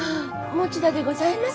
持田でございます。